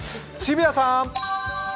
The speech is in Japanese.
澁谷さん。